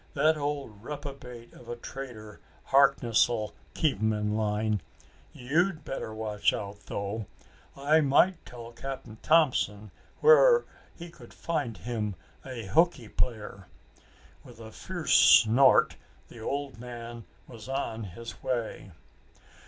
That old reprobate of a Trader Harkness'll keep 'em in line. You'd better watch out, though. I might tell Cap'n Thompson where he could find him a hooky player." With a fierce snort the old man was on his way.